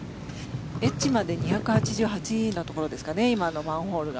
エッジまで２８８のところですか今のマンホールが。